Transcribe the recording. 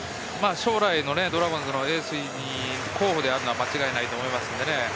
将来のドラゴンズのエース候補であることは間違いないと思います。